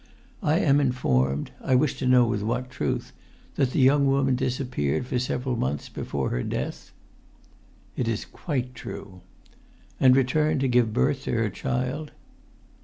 I am informed—I wish to know with what truth—that the young woman disappeared for several months before her death?" "It is quite true." "And returned to give birth to her child?"